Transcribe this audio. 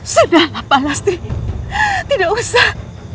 sudahlah palastri tidak usah